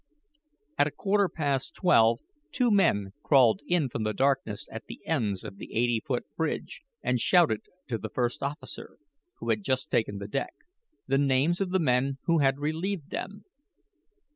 At a quarter past twelve, two men crawled in from the darkness at the ends of the eighty foot bridge and shouted to the first officer, who had just taken the deck, the names of the men who had relieved them.